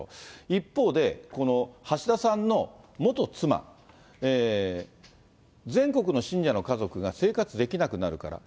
一方で、橋田さんの元妻、全国の信者の家族が生活できなくなるから。